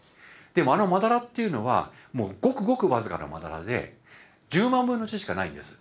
あのまだらっていうのはごくごく僅かなまだらで１０万分の１しかないんです。